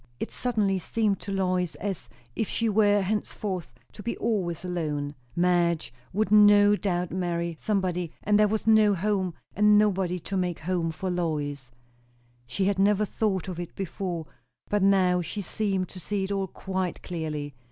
It suddenly seemed to Lois as if she were henceforth to be always alone. Madge would no doubt marry somebody; and there was no home, and nobody to make home for Lois. She had never thought of it before, but now she seemed to see it all quite clearly.